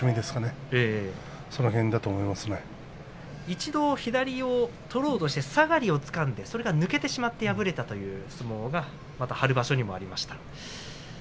一度、左を取ろうとして下がりをつかんでそれが抜けて敗れたという相撲が春場所にありました。